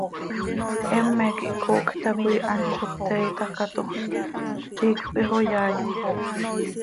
Heme quih coocj tacoi hant zo pte itacaatoj, pti iicp ixoyai.